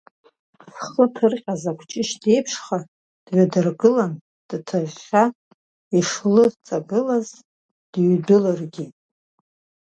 Зхы ҭырҟьаз акәҷышь деиԥшха, дҩадыргылан, дҭыгга ишлыҵагылаз дыҩдәылыргеит.